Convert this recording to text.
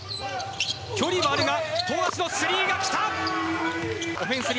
距離はあるが富樫のスリーが来た！